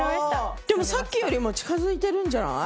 でもさっきよりも近づいてるんじゃない？